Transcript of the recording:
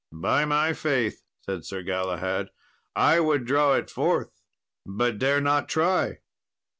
"By my faith," said Sir Galahad, "I would draw it forth, but dare not try."